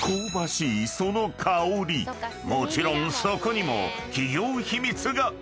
［もちろんそこにも企業秘密が！］